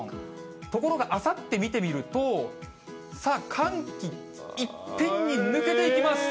ところがあさって見てみると、さあ、寒気、いっぺんに抜けていきます。